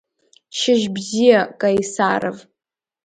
Шьыжьбзиа, Каисаров!